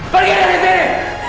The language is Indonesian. pergi dari sini